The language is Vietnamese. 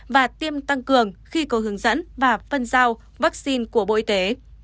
và tiêm tăng cường khi có hướng dẫn và phân giao vaccine của bộ y tế